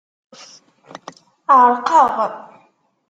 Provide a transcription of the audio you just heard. Ɛerqeɣ.